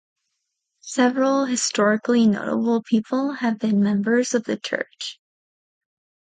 Several historically notable people have been members of the church.